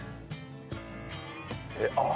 えっ？ああ。